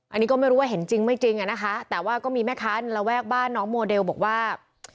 อันนี้ก็ไม่รู้ว่าเห็นจริงไม่จริงอะนะคะแต่ว่าก็มีแม่ค้าในระแวกบ้านน้องโมเดลบอกว่า